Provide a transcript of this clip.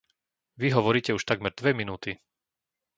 Vy hovoríte už takmer dve minúty.